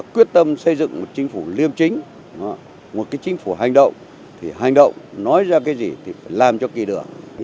quyết tâm xây dựng một chính phủ liêm chính một cái chính phủ hành động thì hành động nói ra cái gì thì phải làm cho kỳ được